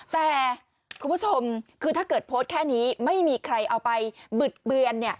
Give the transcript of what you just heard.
แต่คุณผู้ชมคือถ้าเกิดโพสต์แค่นี้ไม่มีใครเอาไปบึดเบือน